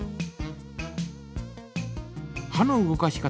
歯の動かし方。